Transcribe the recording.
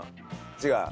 違う？